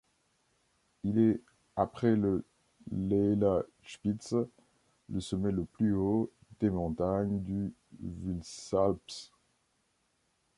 Il est, après le Leilachspitze, le sommet le plus haut des montagnes du Vilsalpsee.